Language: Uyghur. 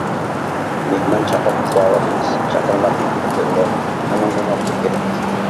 مېھمان چاقىرىمىز دەۋاتىمىز، «چاقىرماقنىڭ ئېتى ئۇلۇغ» ، ئۇنىڭغىمۇ پۇل كېرەك.